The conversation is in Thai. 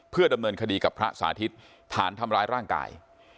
เพื่อดำเนินคดีกับพระสาธิตฐานทำร้ายร่างกาย